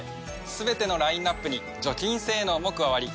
すべてのラインアップに除菌性能も加わり。